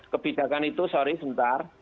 kebijakan itu sorry sebentar